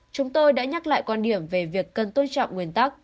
chúng tôi đã nhắc lại quan điểm về việc cần tôn trọng nguyên tắc